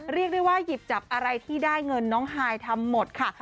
เรียกได้ว่าหยิบจับอะไรที่ได้เงินน้องฮายทำหมดค่ะ